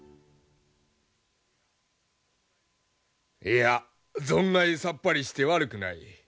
いや存外さっぱりして悪くない。